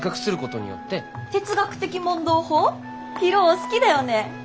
博夫好きだよね。